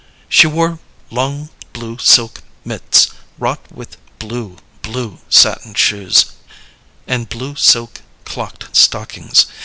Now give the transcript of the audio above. She wore long blue silk mitts wrought with blue, blue satin shoes, and blue silk clocked stockings.